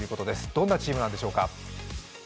どんなチームなんでしょうか。